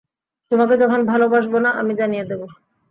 তোমাকে যখন ভালবাসব না, আমি জানিয়ে দেবো।